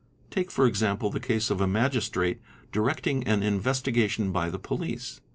Take for example the case of a Magistrate directing an investigation by the "police.